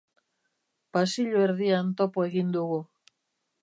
Pasillo erdian topo egin dugu.